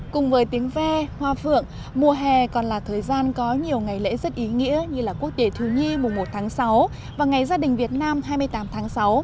cùng với tiếng ve hoa phượng mùa hè còn là thời gian có nhiều ngày lễ rất ý nghĩa như là quốc đề thứ nhi mùa một tháng sáu và ngày gia đình việt nam hai mươi tám tháng sáu